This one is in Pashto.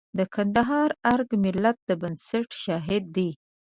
د کندهار ارګ د ملت د بنسټ شاهد دی.